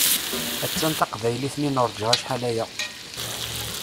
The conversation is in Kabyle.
Attan teqbaylit-nni i nuṛǧa acḥal aya!